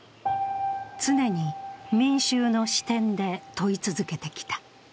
常に民衆の視点で問い続けてきた。